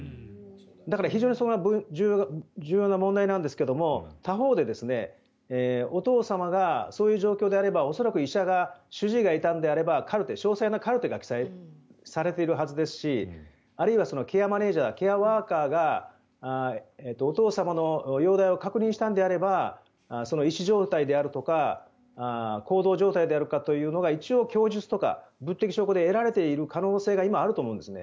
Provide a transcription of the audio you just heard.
だから非常に重要な問題なんですけど他方で、お父様がそういう状況であれば恐らく主治医がいたのであれば詳細なカルテが記載されているはずですしあるいはケアマネジャーケアワーカーがお父様の容体を確認したのであれば意思状態であるとか行動状態であるというのが一応、供述とか物的証拠で得られている可能性があると思うんです。